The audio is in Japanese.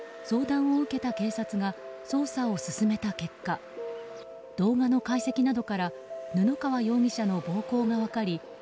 相談を受けた警察が捜査を進めた結果動画の解析などから布川容疑者の暴行が分かり